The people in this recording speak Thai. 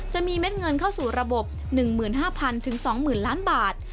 จะมีเม็ดเงินเข้าสู่ระบบ๑๕๐๐๐๒๐๐๐๐บาท